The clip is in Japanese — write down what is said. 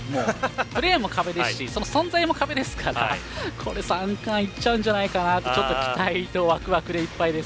プレーも壁ですし存在も壁ですから三冠、いっちゃうんじゃないかと期待とワクワクでいっぱいです。